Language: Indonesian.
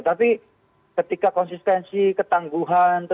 tapi ketika konsistensi ketangguhan